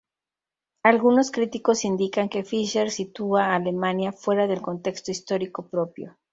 Algunos críticos indican que Fischer sitúa a Alemania fuera del contexto histórico propio.